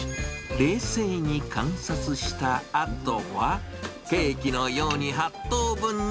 冷静に観察したあとは、ケーキのように８等分に。